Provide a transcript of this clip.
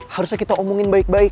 harusnya kita omongin baik baik